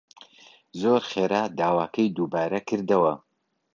زۆر خێرا داواکەی دووبارە کردەوە